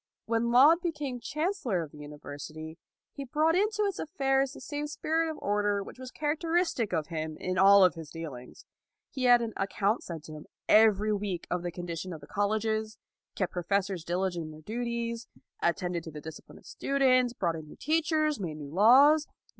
When Laud became Chancellor of the University he brought into its affairs the same spirit of order which was character istic of him in all his dealings. He had an account sent him every week of the condition of the colleges, kept professors diligent in their duties, attended to the dis cipline of students, brought in new teach ers, made new laws.